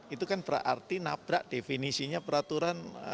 itu kan berarti nabrak definisinya peraturan